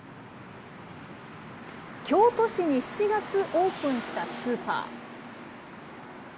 京都市に７月オープンしたスーパー。